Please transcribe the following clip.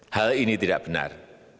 hal ini tidak benar